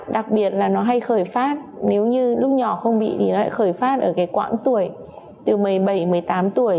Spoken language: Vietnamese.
đặc biệt là nó hay khởi phát nếu như lúc nhỏ không bị thì lại khởi phát ở cái quãng tuổi từ một mươi bảy một mươi tám tuổi